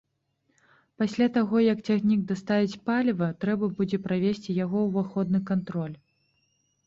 Пасля таго як цягнік даставіць паліва, трэба будзе правесці яго ўваходны кантроль.